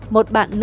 một bạn nữ